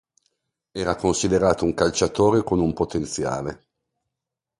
Era considerato un calciatore con un potenziale.